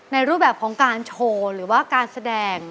รูปแบบของการโชว์หรือว่าการแสดง